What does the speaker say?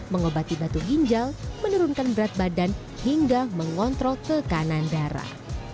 mengobati batu ginjal menurunkan berat badan hingga mengontrol ke kanan darah